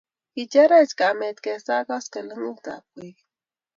Kicherech kamet ke saa koskoleng'utab kwekeny